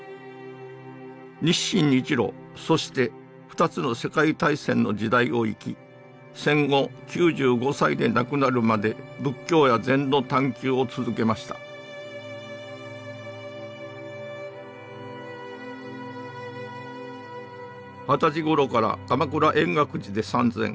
日清日露そして２つの世界大戦の時代を生き戦後９５歳で亡くなるまで仏教や禅の探究を続けました二十歳頃から鎌倉・円覚寺で参禅。